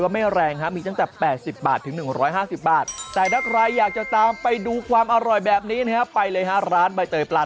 น้ำราดนะคะมันจะต่างจากน้ำจิ้มธรรมดาตรงที่ว่าจะออกหวานนิดนิดนะคะ